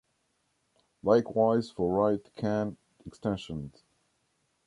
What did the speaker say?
Likewise for right Kan extensions.